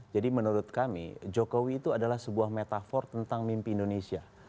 jadi menurut kami jokowi itu adalah sebuah metafor tentang mimpi indonesia